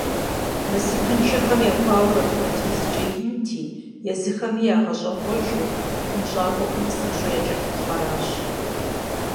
Насыпыншэхэм я гуауэр апхуэдизкӀэ инти, езыхэми ягъэщӀэгъуэжу, хъунщӀакӀуэхэм псынщӀэу якӀэлъыпхъэращ.